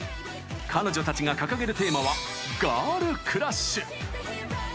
彼女たちが掲げるテーマは「ガールクラッシュ」。